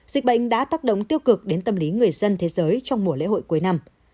dịch bệnh đã tác động tiêu cực đến tâm lý người dân thế giới trong mùa lễ hội cuối năm